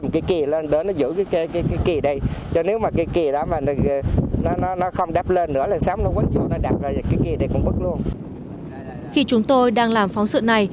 khi chúng tôi đang làm phóng sự này